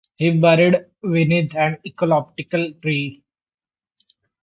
He was buried beneath an eucalyptus tree.